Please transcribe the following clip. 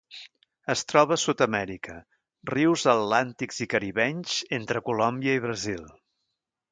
Es troba a Sud-amèrica: rius atlàntics i caribenys entre Colòmbia i Brasil.